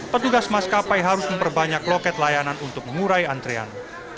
petugas maskapai harus memperbanyak loket layanan untuk mengurai antrian